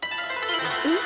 えっ？